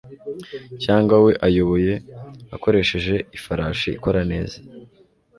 Cyangwa we ayoboye ukoresheje ifarashi ikora neza